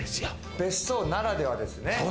別荘ならではですね。